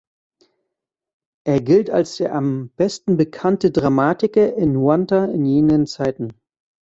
Er gilt als der „am besten bekannte“ Dramatiker in Huanta in jenen Zeiten.